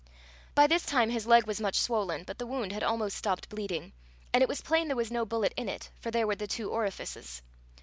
By this time his leg was much swollen, but the wound had almost stopped bleeding, and it was plain there was no bullet in it, for there were the two orifices.